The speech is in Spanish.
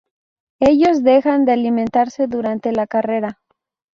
Ellos dejan de alimentarse durante la carrera.